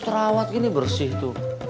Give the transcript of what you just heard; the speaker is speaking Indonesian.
terawat gini bersih tuh